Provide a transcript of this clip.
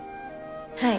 はい。